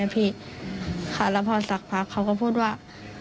ที่ตัวดำอะเขาบอกว่า